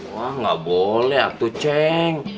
wah nggak boleh aku ceng